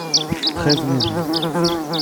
treize maisons.